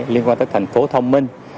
liên quan tới thành phố thông minh